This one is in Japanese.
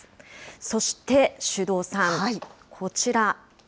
そして、首藤さん、こちら。